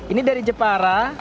ini dari jepara